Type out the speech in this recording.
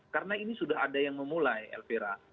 karena ini sudah ada yang memulai elvira